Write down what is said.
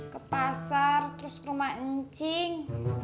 ke pasar terus ke rumah encing